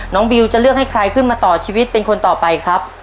บิวจะเลือกให้ใครขึ้นมาต่อชีวิตเป็นคนต่อไปครับ